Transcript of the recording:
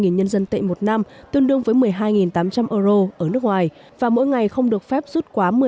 nhân dân tệ một năm tương đương với một mươi hai tám trăm linh euro ở nước ngoài và mỗi ngày không được phép rút quá